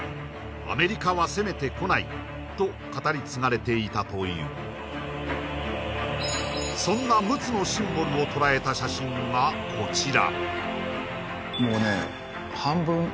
「アメリカは攻めてこない」と語り継がれていたというそんな陸奥のシンボルを捉えた写真がこちら